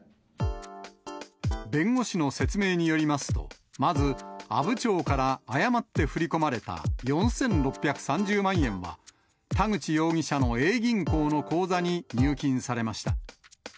弁護士の説明によりますと、まず阿武町から誤って振り込まれた４６３０万円は、田口容疑者のＡ銀行の口座に入金されました。